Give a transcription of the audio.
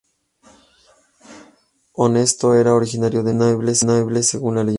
Honesto era originario de Nimes, noble según la leyenda.